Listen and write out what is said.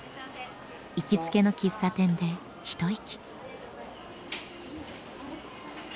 行きつけの喫茶店で一息。